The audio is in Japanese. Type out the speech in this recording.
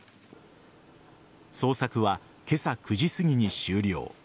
捜索は今朝９時すぎに終了。